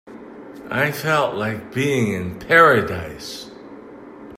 I felt like being in paradise.